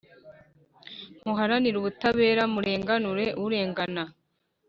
muharanire ubutabera, murenganure urengana,